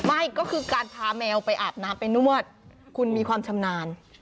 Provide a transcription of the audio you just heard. ไม่ก็คือการพาแมวไปอาบน้ำไปนวดคุณมีความชำนาญ